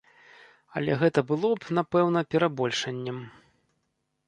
Але гэта было б, напэўна, перабольшаннем.